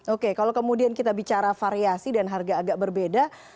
oke kalau kemudian kita bicara variasi dan harga agak berbeda